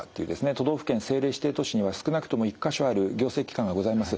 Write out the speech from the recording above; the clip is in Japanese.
都道府県政令指定都市には少なくとも１か所ある行政機関がございます。